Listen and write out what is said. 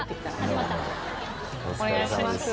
お願いします。